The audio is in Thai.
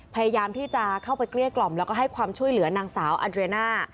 พยายามที่จะเข้าไปเกลี้ยกล่อมแล้วก็ให้ความช่วยเหลือนางสาวอันเรน่า